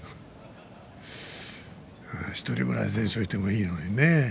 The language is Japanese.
１人ぐらい全勝がいてもいいのにね。